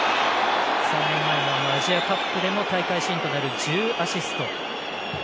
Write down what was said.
３年前のアジアカップでの大会新となる１０アシスト。